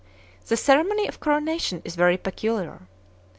The ceremony of coronation is very peculiar.